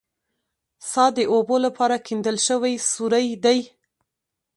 څا د اوبو لپاره کیندل شوی سوری دی